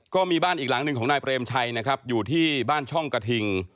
ก็มีบ้านอีกหลังหนึ่งของนายเปรมชัยนะครับอยู่ที่บ้านช่องกระทิง